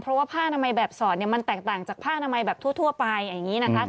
เพราะว่าผ้าอนามัยแบบสอดเนี่ยมันแตกต่างจากผ้านามัยแบบทั่วไปอย่างนี้นะคะ